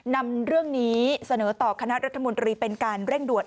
นำเรื่องนี้เสนอต่อคณะรัฐมนตรีเป็นการเร่งด่วน